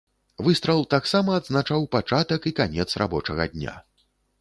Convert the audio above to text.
Выстрал таксама адзначаў пачатак і канец рабочага дня.